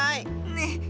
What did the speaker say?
ねえ。